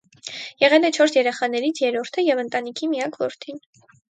Եղել է չորս երեխաներից երրորդը և ընտանիքի միակ որդին։